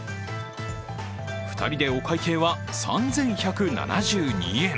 ２人でお会計は３１７２円。